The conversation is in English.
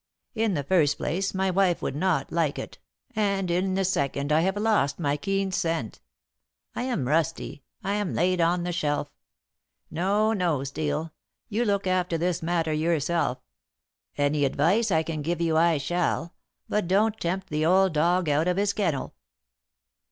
In the first place my wife would not like it, and in the second I have lost my keen scent. I am rusty I am laid on the shelf. No, no, Steel, you look after this matter yourself. Any advice I can give you I shall, but don't tempt the old dog out of his kennel."